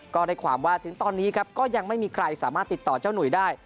ก็ได้ความว่าถึงตอนนี้ครับก็ยังไม่มีใครสามารถติดต่อเจ้าหนุ่ยได้